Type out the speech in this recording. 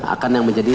akan yang menjadi